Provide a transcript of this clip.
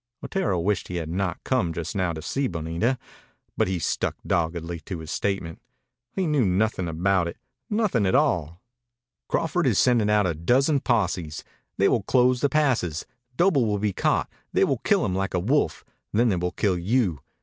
Otero wished he had not come just now to see Bonita, but he stuck doggedly to his statement. He knew nothing about it, nothing at all. "Crawford is sending out a dozen posses. They will close the passes. Doble will be caught. They will kill him like a wolf. Then they will kill you.